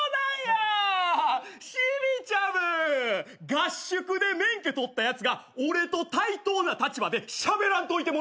合宿で免許取ったやつが俺と対等な立場でしゃべらんといてもらえるかな。